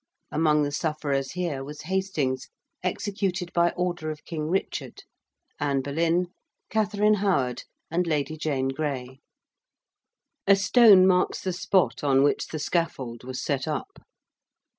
Among the sufferers here was Hastings, executed by order of King Richard: Anne Boleyn: Katharine Howard: and Lady Jane Grey. A stone marks the spot on which the scaffold was set up.